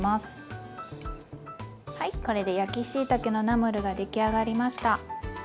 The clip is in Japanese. はいこれで焼きしいたけのナムルが出来上がりました！